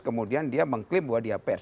kemudian dia mengklaim bahwa dia pers